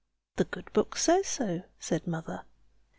"The Good Book says so," said the mother.